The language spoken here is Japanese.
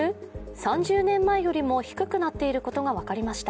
３０年前よりも低くなっていることが分かりました。